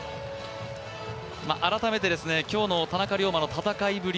改めて、今日の田中龍馬の戦いぶり